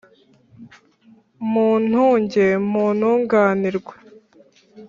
mutunge mutunganirwe